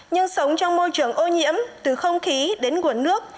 nhưng sống trong môi trường ô nhiễm từ không khí đến nguồn nước